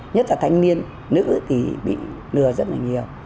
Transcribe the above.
nhất là thanh niên nữ thì bị lừa rất là nhiều